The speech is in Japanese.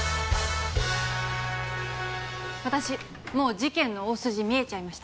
私もう事件の大筋見えちゃいました。